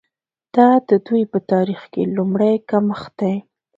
دا د دوی په تاریخ کې لومړی کمښت دی.